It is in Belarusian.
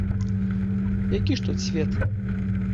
Які ж тут свет?